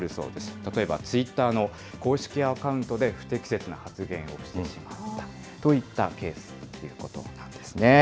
例えばツイッターの公式アカウントで不適切な発言をしてしまったといったケースもあるということなんですね。